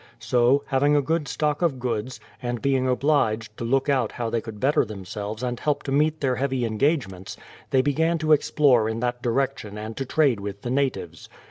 So, having a good stock of goods, and being obliged to look out how they could better themselves and help to meet their heavy engagements, they began to explore in that direction and to trade with the natives.